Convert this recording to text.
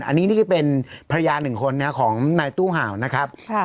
อันนี้นี่ก็เป็นภรรยาหนึ่งคนของนายตู้เห่านะครับ